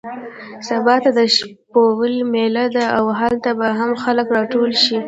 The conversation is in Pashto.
سبا ته د شپولې مېله ده او هلته به هم خلک راټول شي.